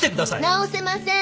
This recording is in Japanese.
直せません。